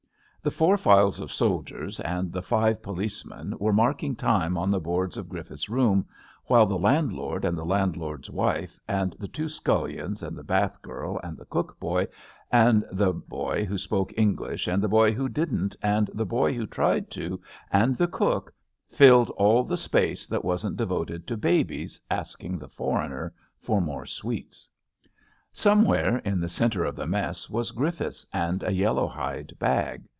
The four files of soldiers and the five police men were marking time on the boards of Griffiths' room, while the landlord and the landlord's wife, and the two scullions, and the bath girl, and the cook boy, and the boy who spoke English, and the boy who didn't, and the boy who tried to, and the cook, filled all the space that wasn't de voted to babies asking the foreigner for more sweets. 70 ABAFT THE FUNNEL Somewhere in the centre of the mess was Grif fiths and a yellow hide bag.